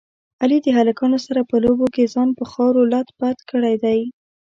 علي د هلکانو سره په لوبو کې ځان په خاورو لت پت کړی دی.